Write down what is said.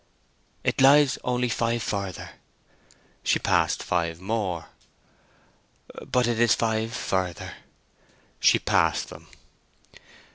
"It lies only five further." She passed five more. "But it is five further." She passed them.